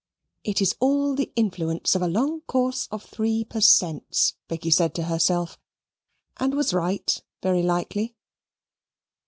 "It is all the influence of a long course of Three Per Cents," Becky said to herself, and was right very likely.